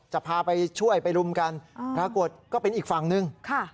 จะพาไปช่วยไปรุมกันปรากฏก็เป็นอีกฝั่งหนึ่ง